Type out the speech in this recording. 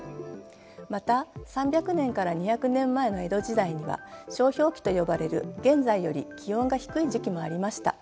また３００年から２００年前の江戸時代には小氷期と呼ばれる現在より気温が低い時期もありました。